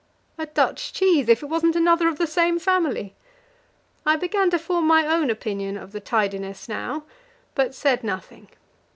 A Dutch cheese if it wasn't another of the same family! I began to form my own opinion of the tidiness now, but said nothing.